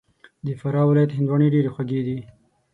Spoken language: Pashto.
د فراه ولایت هندواڼې ډېري خوږي دي